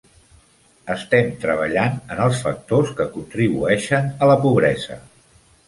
Estem treballant en els factors que contribueixen a la pobresa.